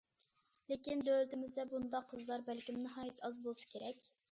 لېكىن دۆلىتىمىزدە بۇنداق قىزلار بەلكىم ناھايىتى ئاز بولسا كېرەك.